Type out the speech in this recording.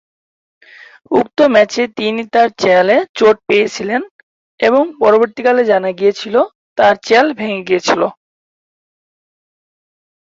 উক্ত ম্যাচে তিনি তার চোয়ালে চোট পেয়েছিলেন এবং পরবর্তীকালে জানা গিয়েছিল তার চোয়াল ভেঙ্গে গিয়েছিল।